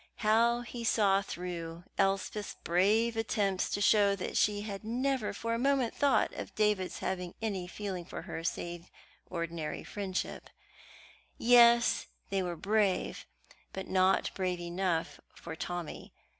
How he saw through Elspeth's brave attempts to show that she had never for a moment thought of David's having any feeling for her save ordinary friendship yes, they were brave, but not brave enough for Tommy.